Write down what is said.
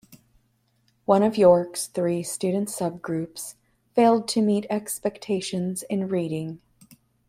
One of York's three student subgroups failed to meet expectations in reading.